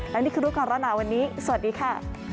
และนี่คือลูกค้าระหนาวันนี้สวัสดีค่ะ